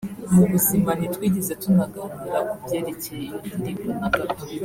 Mu buzima nitwigeze tunaganira kubyerekeye iyo ndirimbo na gato